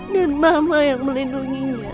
dan mama yang melindunginya